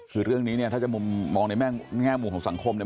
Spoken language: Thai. คือเรื่องนี้เนี่ยถ้าจะมุมมองในแง่มุมของสังคมเนี่ย